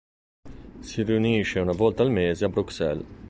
Si riunisce una volta al mese a Bruxelles.